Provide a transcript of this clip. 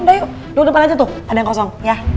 udah yuk dukung depan aja tuh ada yang kosong